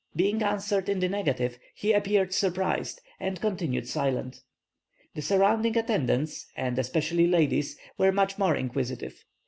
Being answered in the negative, he appeared surprised, and continued silent. The surrounding attendants, and especially ladies, were much more inquisitive.